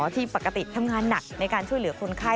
ที่ปกติทำงานหนักในการช่วยเหลือคนไข้